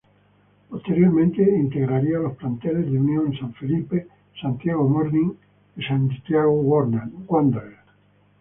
Posteriormente integraría los planteles de Unión San Felipe, Santiago Morning y Santiago Wanderers.